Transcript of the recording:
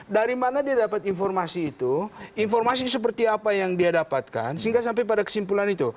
dari mana dia dapat informasi itu informasi seperti apa yang dia dapatkan sehingga sampai pada kesimpulan itu